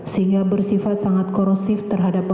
sehingga bersifat sangat korosif terhadap bahan bahan